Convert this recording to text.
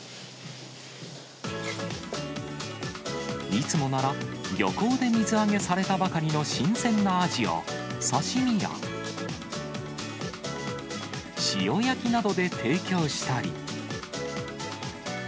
いつもなら、漁港で水揚げされたばかりの新鮮なアジを、刺身や塩焼きなどで提供したり。